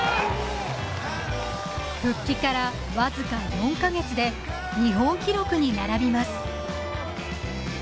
復帰からわずか４カ月で日本記録に並びます